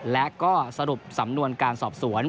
และก็สรุปสำนวนการสอบสวน